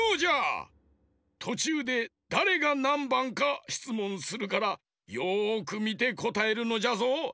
とちゅうでだれがなんばんかしつもんするからよくみてこたえるのじゃぞ！